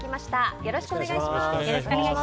よろしくお願いします。